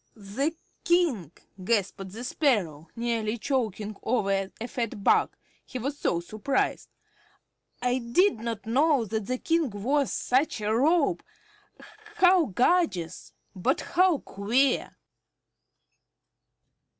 "The King!" gasped the Sparrow, nearly choking over a fat bug, he was so surprised. "I did not know that the King wore such a robe. How gorgeous but how queer!"